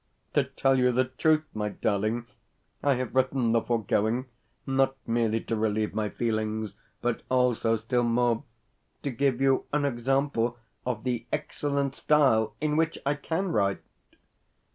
To tell you the truth, my darling, I have written the foregoing not merely to relieve my feelings, but, also, still more, to give you an example of the excellent style in which I can write.